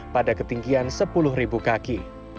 pada ketinggian sepuluh kaki